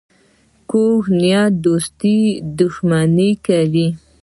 کوږ نیت د دوستۍ دښمني کوي